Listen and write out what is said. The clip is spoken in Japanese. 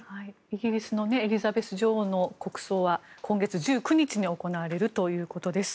イギリスのエリザベス女王の国葬は今月１９日に行われるということです。